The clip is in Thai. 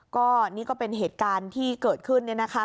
ก็นี่ก็เป็นเหตุการณ์ที่เกิดขึ้นเนี่ยนะคะ